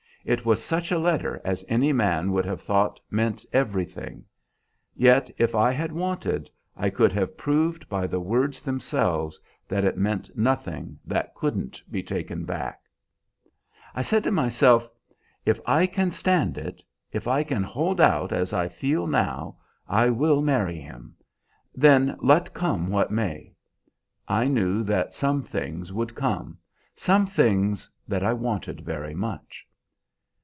It was such a letter as any man would have thought meant everything; yet if I had wanted, I could have proved by the words themselves that it meant nothing that couldn't be taken back. "I said to myself, If I can stand it, if I can hold out as I feel now, I will marry him; then let come what may. I knew that some things would come, some things that I wanted very much.